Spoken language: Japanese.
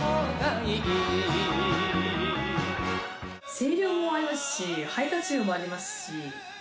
声量もありますし肺活量もありますし。